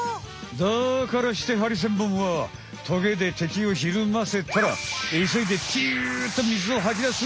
だからしてハリセンボンはトゲで敵をひるませたらいそいでピュッと水を吐き出す。